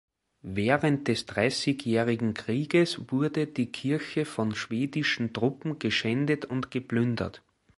Während des Dreissigjährigen Krieges wurde die Kirche von schwedischen Truppen geschändet und geplündert.